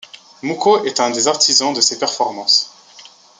Mouko est un des artisans de ces performances.